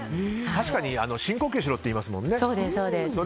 確かに深呼吸しろって言いますもんね。